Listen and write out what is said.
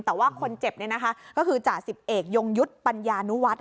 แต่ว่าคนเจ็บก็คือจ่าสิบเอกยงยุทธ์ปัญญานุวัฒน์